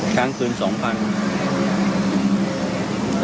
ทั้งคืน๒๐๐๐บาท